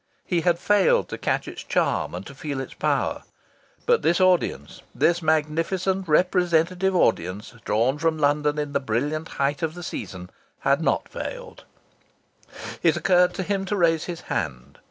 He had failed to catch its charm and to feel its power. But this audience this magnificent representative audience drawn from London in the brilliant height of the season had not failed. It occurred to him to raise his hand.